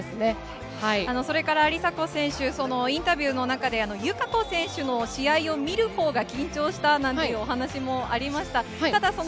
梨紗子選手、インタビューの中で友香子選手の試合を見る方が緊張したというお話もありました。